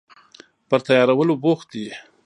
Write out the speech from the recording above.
پر تیارولو بوخت دي